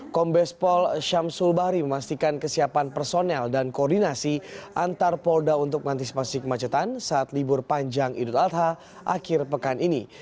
kombes pol syamsul bahri memastikan kesiapan personel dan koordinasi antar polda untuk mengantisipasi kemacetan saat libur panjang idul adha akhir pekan ini